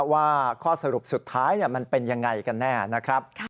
ว่าข้อสรุปสุดท้ายมันเป็นยังไงกันแน่นะครับ